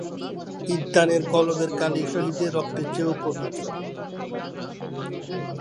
পরিস্থিতি সামাল দিতে ভারত প্রশাসন এসময় সিকিমের নতুন সংবিধান প্রণয়ন করে।